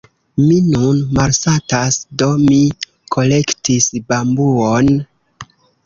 Mi nun malsatas, do mi kolektis bambuon.